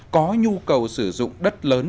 có nhu cầu sử dụng đất lớn